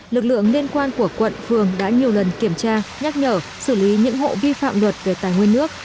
lực lượng liên quan của quận phường đã nhiều lần kiểm tra nhắc nhở xử lý những hộ vi phạm luật về tài nguyên nước